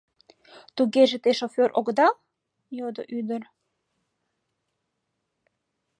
— Тугеже те шофёр огыдал? — йодо ӱдыр.